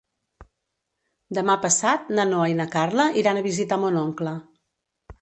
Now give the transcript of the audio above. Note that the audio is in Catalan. Demà passat na Noa i na Carla iran a visitar mon oncle.